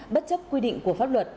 bất chấp quy định của pháp luật